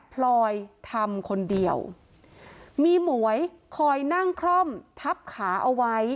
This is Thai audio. พลอยทำคนเดียวมีหมวยคอยนั่งคล่อมทับขาเอาไว้